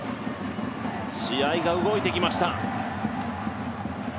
試合が動いてきました。